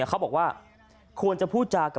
เขาบอกว่าควรจะพูดจาก็